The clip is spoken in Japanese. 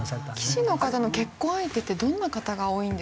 棋士の結婚相手ってどんな方が多いんですか？